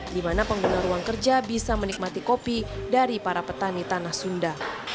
di mana pengguna ruang kerja bisa menikmati kopi dari para petani tanah sunda